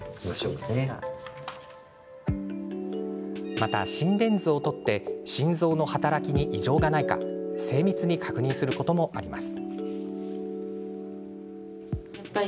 また、心電図をとって心臓の働きに異常がないか精密に確認することもあります。